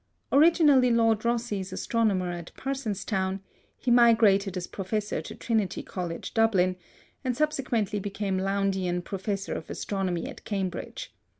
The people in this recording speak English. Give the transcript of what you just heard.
Originally Lord Rosse's astronomer at Parsonstown, he migrated as professor to Trinity College, Dublin, and subsequently became Lowndean Professor of Astronomy at Cambridge.